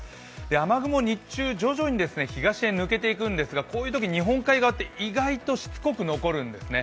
雨雲、日中、徐々に東に抜けていくんですがこういうとき、日本海側って意外としつこく残るんですね。